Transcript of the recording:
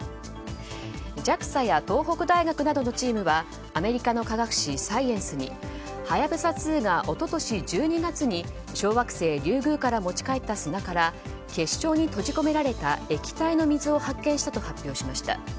ＪＡＸＡや東北大学などのチームはアメリカの科学誌「サイエンス」に「はやぶさ２」が一昨年１２月に小惑星リュウグウから持ち帰った砂から結晶に閉じ込められた液体の水を発見したと発表しました。